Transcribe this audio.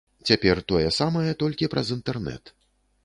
Цяпер тое самае, толькі праз інтэрнэт.